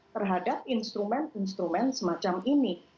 terhadap instrumen instrumen semacam ini